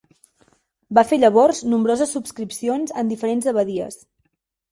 Va fer llavors nombroses subscripcions en diferents abadies.